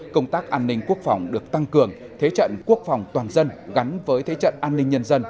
công tác an ninh quốc phòng được tăng cường thế trận quốc phòng toàn dân gắn với thế trận an ninh nhân dân